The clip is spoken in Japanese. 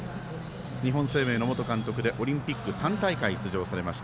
日本生命の元監督でオリンピック３大会出場されました。